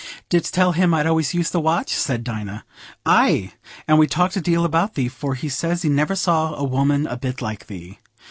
'" "Didst tell him I'd always used the watch?" said Dinah. "Aye; and we talked a deal about thee, for he says he never saw a woman a bit like thee.